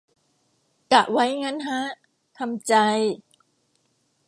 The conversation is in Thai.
กะไว้งั้นฮะ ทำใจ